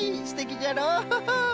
すてきじゃろ？